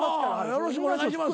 よろしくお願いします。